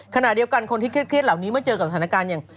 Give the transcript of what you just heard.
ขณะเดียวกันคนที่เครียดเหล่านี้เมื่อเจอกับสถานการณ์อย่าง